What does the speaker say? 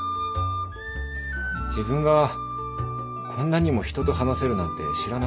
自分がこんなにも人と話せるなんて知らなかった。